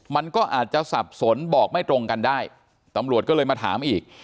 มันก็อาจจะสับสนบอกไม่ตรงกันได้ตำรวจก็เลยมาถามอีก